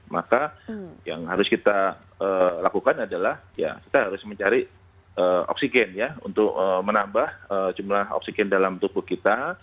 maka yang harus kita lakukan adalah ya kita harus mencari oksigen ya untuk menambah jumlah oksigen dalam tubuh kita